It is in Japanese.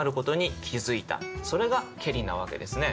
それが「けり」なわけですね。